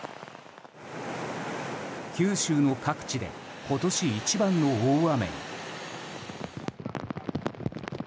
九州の各地で今年一番の大雨。